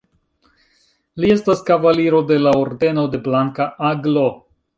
Li estas Kavaliro de la Ordeno de Blanka Aglo.